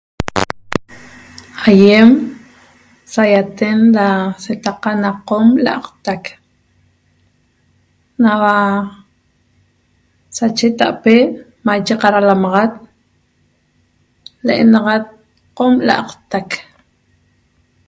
Aiem saiaten ra setaqa na qom la'aqtac naua sacheta'ape maiche qaralamaxat le'enaxat qom la'aqtac